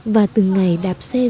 và từng ngày đạp xe rong rủi